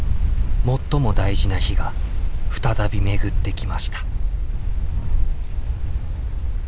最も大事な日が再び巡ってきました。